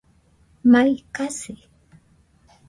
Mai kasi